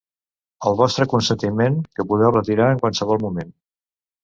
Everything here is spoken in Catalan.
El vostre consentiment, que podeu retirar en qualsevol moment.